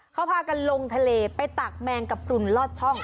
เขาพากันลงทะเลไปตักแมงกระพรุนลอดช่อง